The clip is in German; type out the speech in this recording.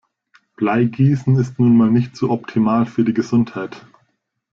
Bleigießen ist nun mal nicht so optimal für die Gesundheit.